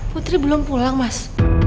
putri belum pulang mas